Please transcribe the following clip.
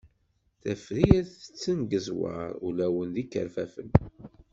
Tafrirt tettengeẓwaṛ ulawen d ikerfafen.